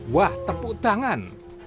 wah tepuk tangan